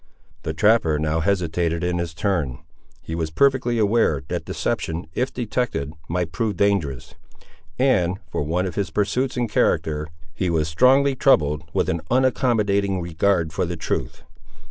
The trapper now hesitated, in his turn. He was perfectly aware that deception, if detected, might prove dangerous; and, for one of his pursuits and character, he was strongly troubled with an unaccommodating regard for the truth.